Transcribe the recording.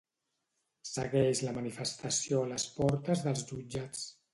Segueix la manifestació a les portes dels jutjats.